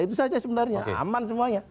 itu saja sebenarnya aman semuanya